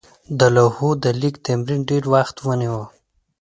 د لوحو د لیک تمرین ډېر وخت ونیوه.